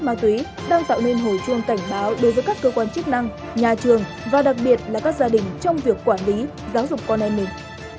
ma túy đang tạo nên hồi chuông cảnh báo đối với các cơ quan chức năng nhà trường và đặc biệt là các gia đình trong việc quản lý giáo dục con em mình